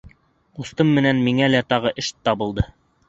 Ҡустым менән миңә лә тағы эш табылды.